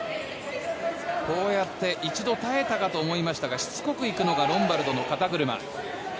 こうやって一度耐えたかと思いましたがしつこく行くのがロンバルドの肩車。